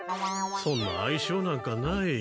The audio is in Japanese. そんな愛称なんかない。